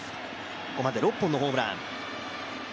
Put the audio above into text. ここまで６本のホームラン。